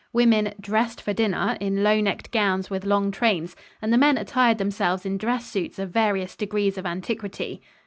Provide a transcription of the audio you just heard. Women "dressed for dinner" in low necked gowns with long trains; and the men attired themselves in dress suits of various degrees of antiquity.